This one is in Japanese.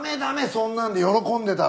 そんなんで喜んでたら。